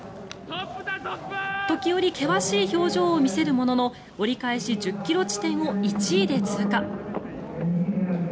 時折、険しい表情を見せるものの折り返し１０ｋｍ地点を１位で通過。